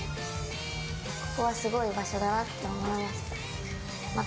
ここはすごい場所だなって思いました。